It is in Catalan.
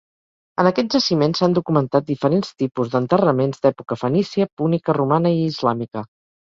En aquest jaciment s'han documentat diferents tipus d'enterraments d'època fenícia, púnica, romana i islàmica.